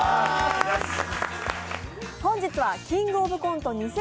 本日は「キングオブコント２０２２」